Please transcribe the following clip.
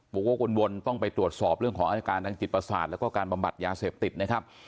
บอกว่าวนต้องไปตรวจสอบเรื่องของอาการทางจิตประสาทแล้วก็การบำบัดยาเสพติดนะครับ